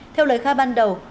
theo lời khai ban đầu